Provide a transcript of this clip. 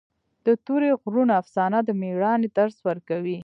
د تورې غرونو افسانه د مېړانې درس ورکوي.